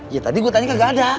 ya tadi gue tanya gak ada